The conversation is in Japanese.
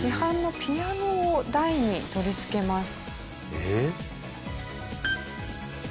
えっ？